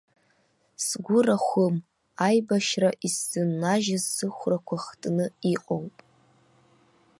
Сгәы рахәым, аибашьра исзыннажьыз сыхәрақәа хтны иҟоуп.